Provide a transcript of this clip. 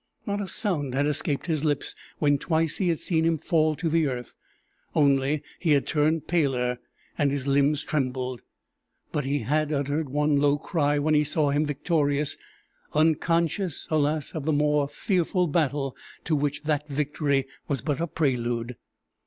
Not a sound had escaped his lips when twice he had seen him fall to the earth; only he had turned paler, and his limbs trembled. But he had uttered one low cry when he saw him victorious; unconscious, alas! of the more fearful battle to which that victory was but a prelude.